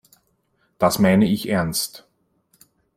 Das meine ich ernst.